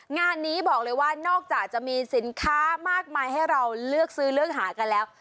งานนี้บอกเลยว่านอกจากจะมีสินค้ามากมายให้เราเลือกซื้อเลือกหากันแล้ว